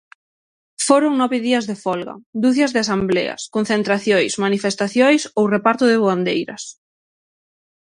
Foron nove días de folga, ducias de asembleas, concentracións, manifestacións ou reparto de voandeiras.